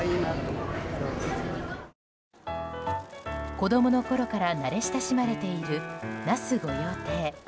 子供のころから慣れ親しまれている那須御用邸。